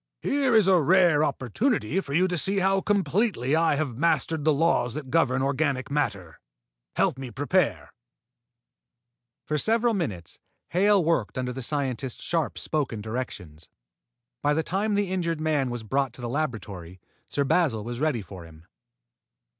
"Here is a rare opportunity for you to see how completely I have mastered the laws that govern organic matter. Help me prepare." For several minutes, Hale worked under the scientist's sharply spoken directions. By the time the injured man was brought to the laboratory, Sir Basil was ready for him.